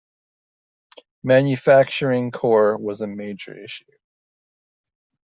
Manufacturing core was a major issue.